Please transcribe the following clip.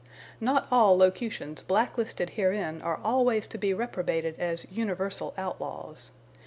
Not all locutions blacklisted herein are always to be reprobated as universal outlaws.